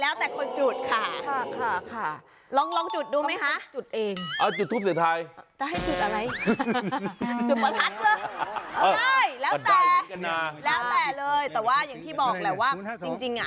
อ๋ออะไรเนี่ย